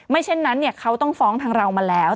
ไม่เช่นนั้นเนี่ยเขาต้องฟ้องทางเรามาแล้ว